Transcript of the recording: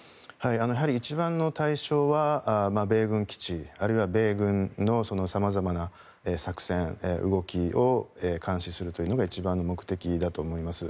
やはり一番の対象は米軍基地あるいは米軍の様々な作戦、動きを監視するというのが一番の目的だと思います。